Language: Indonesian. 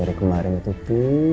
dari kemarin itu pun